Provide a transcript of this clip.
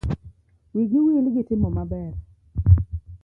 Wigi wil gi timo maber.